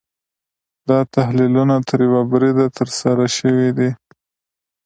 دا تحلیلونه تر یوه بریده ترسره شوي دي.